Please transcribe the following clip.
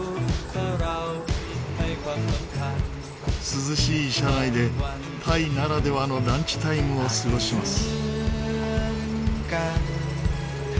涼しい車内でタイならではのランチタイムを過ごします。